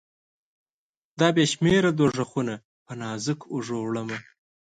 دا بې شمیره دوږخونه په نازکو اوږو، وړمه